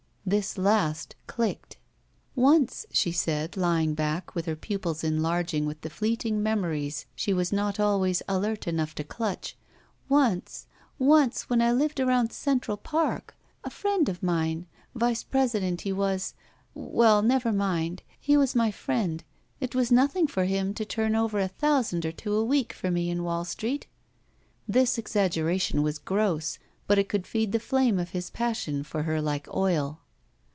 This last clicked. "Once," she said, lying back, with her pupils enlarging with the fleeting memories she was not always alert enough to clutch — "once — once when I lived around Central Park — ^a friend of mine — vice president he was — Well, never mind, he was 274 ROULETTE my friend — ^it was nothing for him to turn over a thousand or two a week for me in Wall Street." This exaggeration was gross, but it could feed the flame of his passion for her like oil.